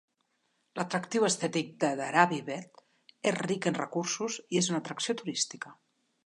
L'atractiu estètic de Dharavi Bhet és ric en recursos i és una atracció turística.